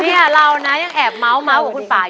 เนี่ยเรายังแอบเม้าท์กับคุณป่าอยู่แล้วนะ